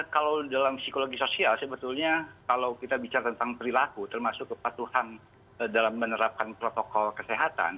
kalau dalam psikologi sosial sebetulnya kalau kita bicara tentang perilaku termasuk kepatuhan dalam menerapkan protokol kesehatan